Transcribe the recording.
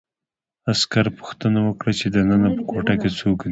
عسکر پوښتنه وکړه چې دننه په کوټه کې څوک دي